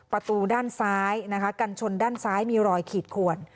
ประตูด้านซ้ายนะคะกันชนด้านซ้ายมีรอยขีดขวน